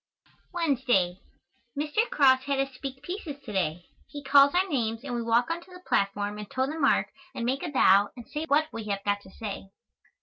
Wednesday. Mr. Cross had us speak pieces to day. He calls our names, and we walk on to the platform and toe the mark and make a bow and say what we have got to say.